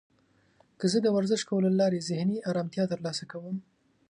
زه د ورزش کولو له لارې ذهني آرامتیا ترلاسه کوم.